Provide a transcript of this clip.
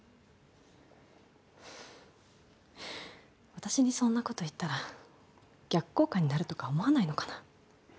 私にそんなこと言ったら逆効果になるとか思わないのかな。